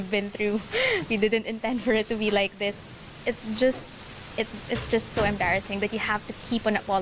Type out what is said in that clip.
เพราะอีกสิ่งที่คุณไม่ทำได้